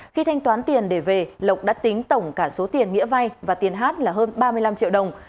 khi thanh toán tiền để về lộc đã tính tổng cả số tiền nghĩa vay và tiền hát là hơn ba mươi năm triệu đồng